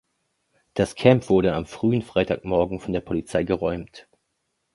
Das Camp wurde am frühen Freitagmorgen von der Polizei geräumt.